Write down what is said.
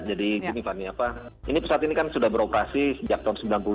jadi gini fahmi ini pesawat ini kan sudah beroperasi sejak tahun seribu sembilan ratus sembilan puluh lima